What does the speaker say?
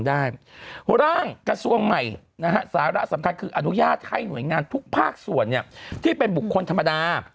ร่างกระทรวงใหม่นะฮะสาระสำคัญคืออนุญาตให้หน่วยงานทุกภาคส่วนที่เป็นบุคคลธรรมดา